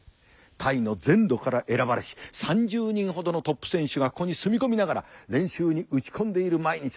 タイの全土から選ばれし３０人ほどのトップ選手がここに住み込みながら練習に打ち込んでいる毎日というわけだ。